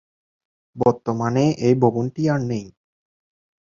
বর্তমানে এই ভবনটি আর নেই।